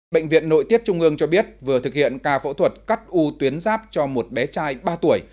bệnh viện nội tiết trung ương cho biết vừa thực hiện ca phẫu thuật cắt u tuyến giáp cho một bé trai ba tuổi